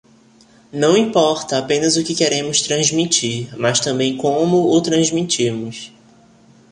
Não importa apenas o que queremos transmitir, mas também como o transmitimos.